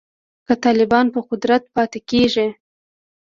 که طالبان په قدرت پاتې کیږي